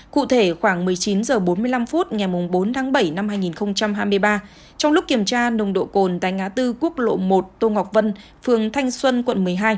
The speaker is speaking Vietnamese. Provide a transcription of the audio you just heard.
cụ thể khoảng một mươi chín h bốn mươi năm phút ngày bốn tháng bảy năm hai nghìn hai mươi ba trong lúc kiểm tra nồng độ cồn tại ngã tư quốc lộ một tô ngọc vân phường thanh xuân quận một mươi hai